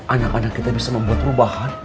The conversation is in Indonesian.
anak anak kita bisa membuat perubahan